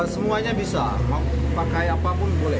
semuanya bisa pakai apapun boleh